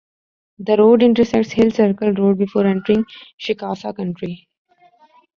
The road intersects Hill Circle Road before entering Chickasaw County.